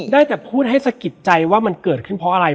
ได้แต่พูดให้สะกิดใจว่ามันเกิดขึ้นเพราะอะไร